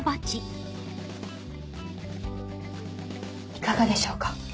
いかがでしょうか。